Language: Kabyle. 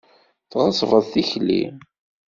Tɣeṣbeḍ tikli.